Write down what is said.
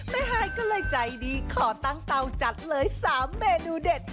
ฮายก็เลยใจดีขอตั้งเตาจัดเลย๓เมนูเด็ด